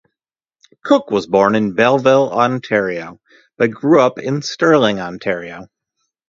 Cooke was born in Belleville, Ontario, but grew up in Stirling, Ontario.